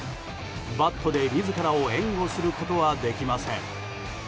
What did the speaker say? バットで自らを援護することはできません。